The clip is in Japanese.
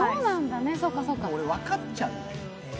俺、分かっちゃう。